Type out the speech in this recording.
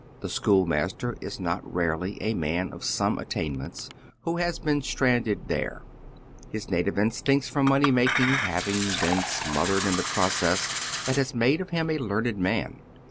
The school master ia not rarely a man of some attainments who has been stranded there, his native instinct for money making hav iTig been smothered in the process that has made of him a learned man.